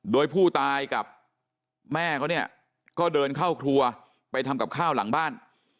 โดยผู้ตายกับแม่เขาเนี่ยก็เดินเข้าครัวไปทำกับข้าวหลังบ้าน